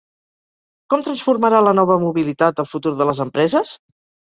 Com transformarà la nova mobilitat el futur de les empreses?